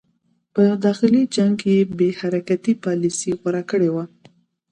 په داخلي جنګ کې یې بې حرکتي پالیسي غوره کړې وه.